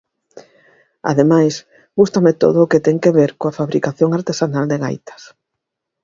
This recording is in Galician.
Ademais, gústame todo o que ten que ver coa fabricación artesanal de gaitas.